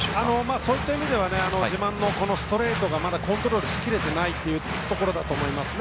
そういった意味では自慢のストレートがコントロールしきれてないというところだと思いますね。